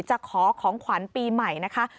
จะขอของขวัญปีใหม่นะคะ